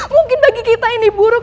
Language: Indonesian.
mungkin bagi kita ini buruk